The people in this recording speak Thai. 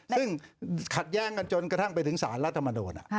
ซึ่งขัดแย้งกันจนกระทั่งไปถึงสารรัฐมนูล